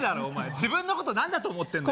自分のこと何だと思ってんだよ